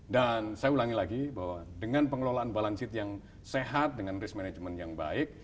dan saya ulangi lagi bahwa dengan pengelolaan balance sheet yang sehat dengan risk management yang baik